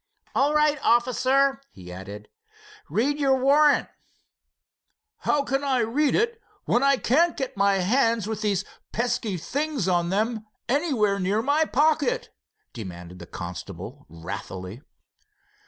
All right officer," he added, "read your warrant." "How can I read it when I can't get my hands with these pesky things on them anywhere near my pocket?" demanded the constable, wrathily.